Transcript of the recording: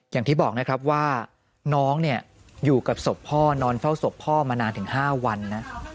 อย่างที่บอกนะครับว่าน้องเนี่ยอยู่กับศพพ่อนอนเฝ้าศพพ่อมานานถึง๕วันนะ